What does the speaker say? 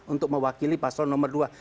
untuk mewakili paslon nomor dua